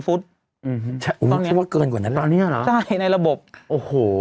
ฟุตอืมใช่ว่าเกินกว่านั้นตอนเนี้ยเหรอใช่ในระบบโอ้โห